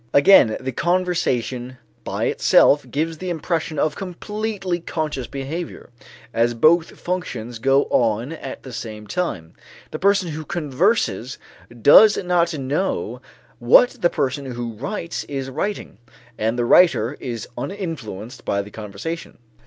Again the conversation by itself gives the impression of completely conscious behavior. As both functions go on at the same time, the person who converses does not know what the person who writes is writing, and the writer is uninfluenced by the conversation.